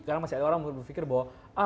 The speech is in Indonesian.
karena masih ada orang berpikir bahwa